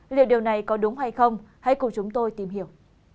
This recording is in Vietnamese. liệu điều này có đúng hay không hãy cùng chúng tôi tìm hiểu